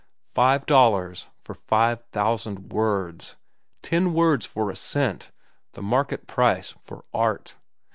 Five dollars for five thousand words, ten words for a cent, the market price for art.